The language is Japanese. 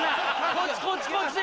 こっちこっちこっち！